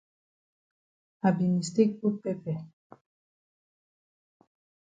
I be mistake put pepper.